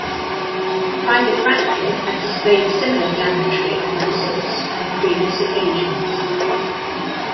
Private Ratcliffe had displayed similar gallantry and resource on previous occasions.